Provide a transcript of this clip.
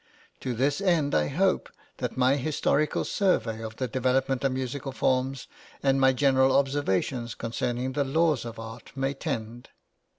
To this end I hope that my historical survey of the development of musical forms, and my general observations concerning the laws of the art, may tend.